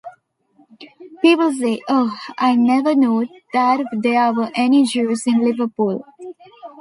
People say, 'Oh, I never knew that there were any Jews in Liverpool'.